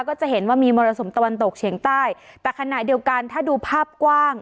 ก็จะเห็นว่ามีมรสุมตะวันตกเฉียงใต้แต่ขณะเดียวกันถ้าดูภาพกว้าง